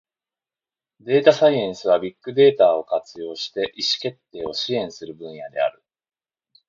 データサイエンスは、ビッグデータを活用して意思決定を支援する分野である。